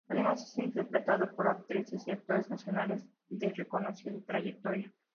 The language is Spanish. Además es interpretado por actrices y actores nacionales de reconocida trayectoria.